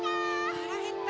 ・はらへった！